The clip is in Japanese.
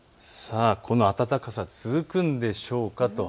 この暖かさ、続くんでしょうか。